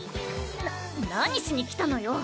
な何しに来たのよ。